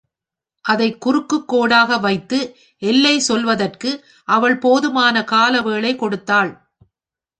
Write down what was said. அதைக் குறுக்குக் கோடாக வைத்து எல்லை சொல்வதற்கு அவள் போதுமான காலவேளை கொடுத்தாள்.